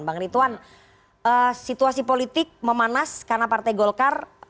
bang ritwan situasi politik memanas karena partai golkar